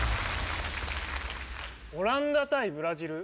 オランダ対ブラジル？